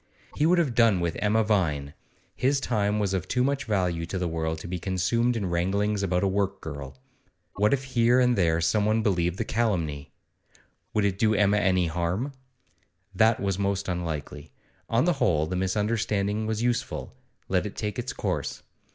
He would have done with Emma Vine; his time was of too much value to the world to be consumed in wranglings about a work girl. What if here and there someone believed the calumny? Would it do Emma any harm? That was most unlikely. On the whole, the misunderstanding was useful; let it take its course.